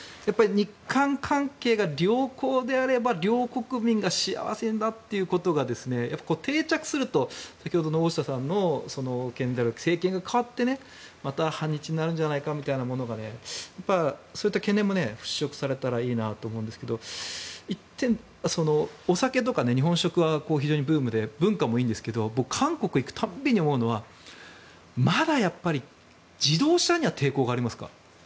日韓関係が良好であれば両国民が幸せだということが定着すると先ほどの大下さんの懸念である政権が代わって、また反日になるんじゃないかみたいなそういった懸念も払しょくされたらいいなと思うんですけど一転、お酒とか日本食は非常にブームで文化もいいんですが韓国に行く度に思うのはまだ自動車には抵抗がありますか？